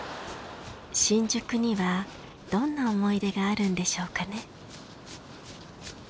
新宿にはどんな思い出があるんでしょうかね。